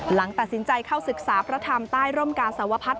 หลังตัดสินใจเข้าศึกษาพระธรรมใต้ร่มกาสวพัฒน์